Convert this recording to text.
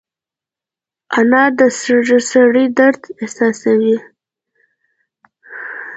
انا د سړي درد احساسوي